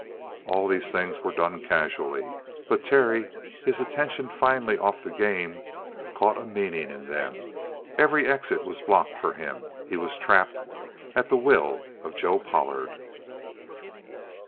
All these things were done casually, but Terry, his attention finally off the game, caught a meaning in them. Every exit was blocked for him. He was trapped at the will of Joe Pollard!